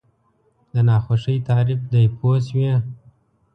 د ناخوښۍ تعریف دی پوه شوې!.